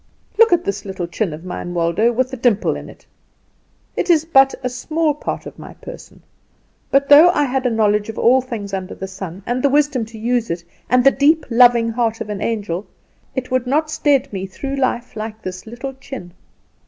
"Look at this little chin of mine, Waldo, with the dimple in it. It is but a small part of my person; but though I had a knowledge of all things under the sun, and the wisdom to use it, and the deep loving heart of an angel, it would not stead me through life like this little chin.